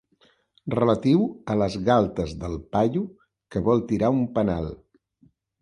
Relatiu a les galtes del paio que vol tirar un penal.